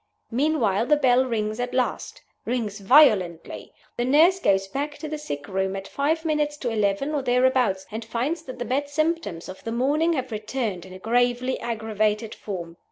Meanwhile the bell rings at last rings violently. The nurse goes back to the sick room at five minutes to eleven, or thereabouts, and finds that the bad symptoms of the morning have returned in a gravely aggravated form.